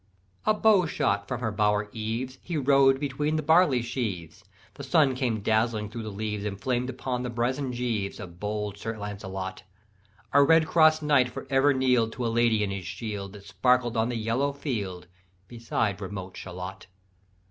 "A bow shot from her bower eaves, He rode between the barley sheaves, The sun came dazzling thro' the leaves, And flamed upon the brazen greaves Of bold Sir Lancelot. A red cross knight for ever kneel'd To a lady in his shield, That sparkled on the yellow field, Beside remote Shalott.